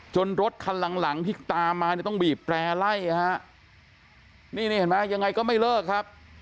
รถคันหลังหลังที่ตามมาเนี่ยต้องบีบแตร่ไล่ฮะนี่นี่เห็นไหมยังไงก็ไม่เลิกครับ